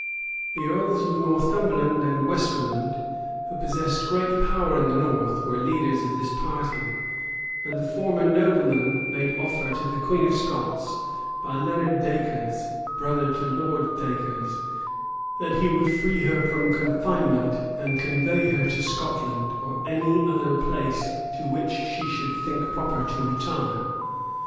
The earls of Northumberland and Westmoreland, who possessed great power in the north, were leaders of this party; and the former nobleman made offer to the queen of Scots, by Leonard Dacres, brother to Lord Dacres, that he would free her from confinement, and convey her to Scotland, or any other place to which she should think proper to retire.